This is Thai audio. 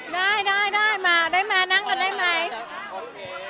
ได้มาได้มานั่งกันได้ไหม